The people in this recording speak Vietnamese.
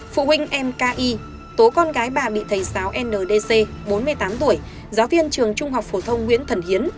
phụ huynh em k i tố con gái bà bị thầy giáo ndc bốn mươi tám tuổi giáo viên trường trung học phổ thông nguyễn thần hiến